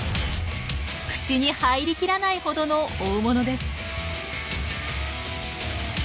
口に入りきらないほどの大物です。